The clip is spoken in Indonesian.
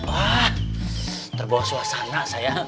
wah terbawa suasana sayang